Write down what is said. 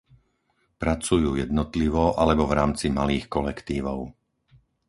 Pracujú jednotlivo alebo v rámci malých kolektívov.